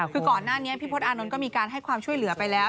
คือก่อนหน้านี้พี่พศอานนท์ก็มีการให้ความช่วยเหลือไปแล้ว